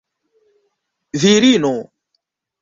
virino